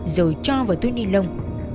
rồi cho vào túi ni lông